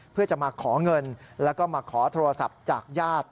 เพื่อจะมาขอเงินแล้วก็มาขอโทรศัพท์จากญาติ